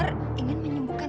dan jangan jangankan